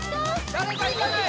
誰かいかない？